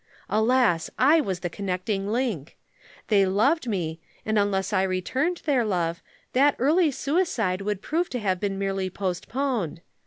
Alas, I was the connecting link. They loved me and unless I returned their love, that early suicide would prove to have been merely postponed.